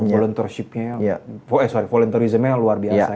volunteurshipnya eh sorry volunteerismnya yang luar biasa